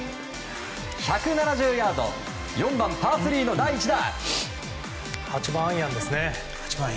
１７０ヤード４番、パー３の第１打。